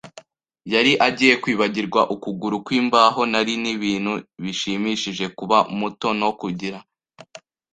yari agiye kwibagirwa ukuguru kwimbaho, nari. Nibintu bishimishije kuba muto no kugira